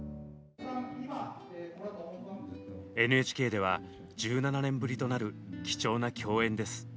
ＮＨＫでは１７年ぶりとなる貴重な共演です。